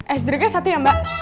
es jeruknya satu ya mbak